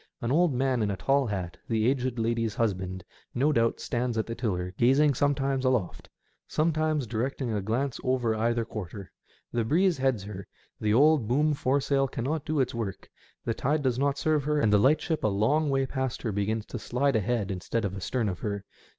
An old man in a tall hat, the aged lady's husband, no doubt, stands at the tiller, gazing sometimes aloft, sometimes directing a glance over either quarter. The breeze heads her; the old boom foresail cannot do its work ; the tide does not serve her, and the lightship a long way past her begins to slide ahead instead of astern of her.